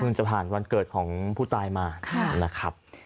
จะผ่านวันเกิดของผู้ตายมานะครับ